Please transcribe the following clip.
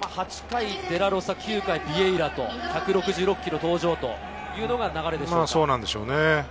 ８回デラロサ、９回ビエイラ、１６６キロ登場というのが流れですかね。